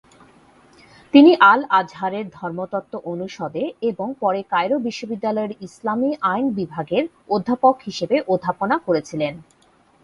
তিনি আল-আজহারের ধর্মতত্ত্ব অনুষদে এবং পরে কায়রো বিশ্ববিদ্যালয়ের ইসলামী আইন বিভাগের অধ্যাপক হিসাবে অধ্যাপনা করেছিলেন।